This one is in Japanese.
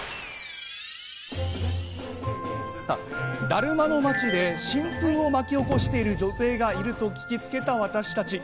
だるまの町で新風を巻き起こしている女性がいると聞きつけた私たち。